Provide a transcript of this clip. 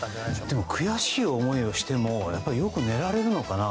でも悔しい思いをしてもよく寝られるのかな。